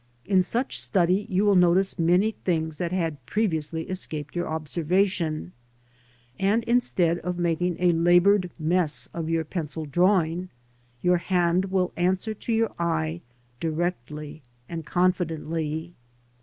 In such study you will notice many things that had pre viously escaped your observation, and instead of making a laboured mess of your pencil drawing, your hand will answer to your eye directly and confidently.